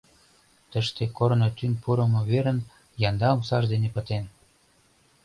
Тыште корно тӱҥ пурымо верын янда омсаж дене пытен.